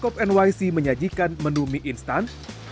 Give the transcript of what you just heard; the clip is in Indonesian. masih menyajikan menu mie instan